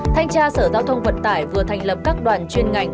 thanh tra sở giao thông vận tải vừa thành lập các đoàn chuyên ngành